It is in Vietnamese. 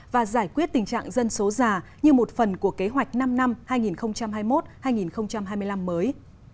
và giải quyết tình trạng dân số già như một phần của kế hoạch năm năm hai nghìn hai mươi một hai nghìn hai mươi năm mới